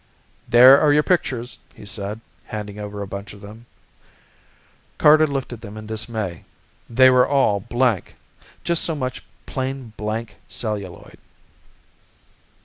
"There are your pictures!" he said, handing over a bunch of them. Carter looked at them in dismay. They were all blank just so much plain black celluloid.